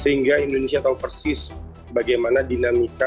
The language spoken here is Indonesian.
sehingga indonesia tahu persis bagaimana dinamika